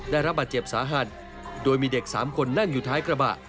ได้รับบาดเจ็บสาหัสโดยมีเด็ก๓คนนั่งอยู่ท้ายกระบะ